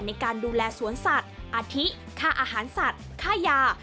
ในการดูแลสวนสัตว์อาทิค่าอาหารสัตว์ค่ายา